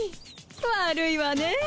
悪いわねえ。